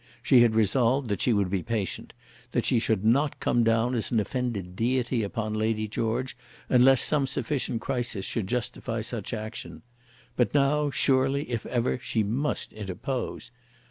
She had resolved that she would be patient; that she should not come down as an offended deity upon Lady George, unless some sufficient crisis should justify such action. But now surely, if ever, she must interpose.